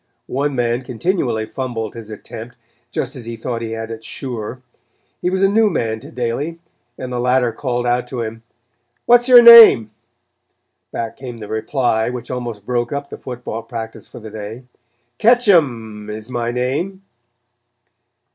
One man continually fumbled his attempt, just as he thought he had it sure. He was a new man to Daly, and the latter called out to him: "What is your name?" Back came the reply, which almost broke up the football practice for the day: "Ketchum is my name."